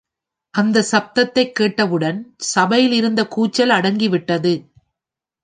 அந்தச் சப்தத்தைக் கேட்டவுடன் சபையிலிருந்த கூச்சல் அடங்கிவிட்டது.